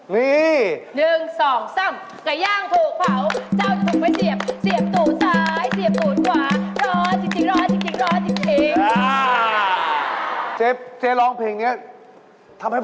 มาว่ากันเลยอ่ะโชว์เลยนี่